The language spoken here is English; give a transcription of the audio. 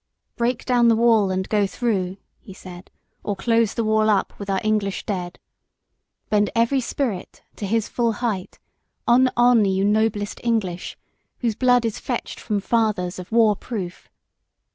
"Break down the wall and go through," he said, "or close the wall up with our English dead. Bend every spirit To his full height. On, on, you noblest English, Whose blood is fetched from fathers of war proof.